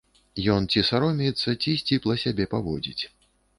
Ён ці саромеецца, ці сціпла сябе паводзіць.